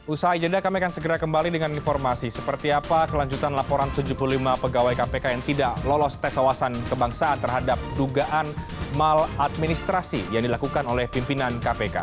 usaha jeda kami akan segera kembali dengan informasi seperti apa kelanjutan laporan tujuh puluh lima pegawai kpk yang tidak lolos tes awasan kebangsaan terhadap dugaan maladministrasi yang dilakukan oleh pimpinan kpk